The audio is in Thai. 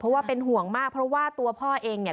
เพราะว่าเป็นห่วงมากเพราะว่าตัวพ่อเองเนี่ย